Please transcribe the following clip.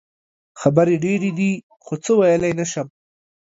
خبرې ډېرې دي خو څه ویلې نه شم.